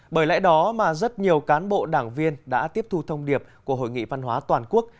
bởi lẽ đó mà rất nhiều cán bộ đảng viên đã tiếp thu thông điệp của hội nghị văn hóa toàn quốc